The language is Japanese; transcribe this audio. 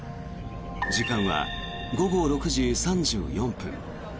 時間は午後６時３４分。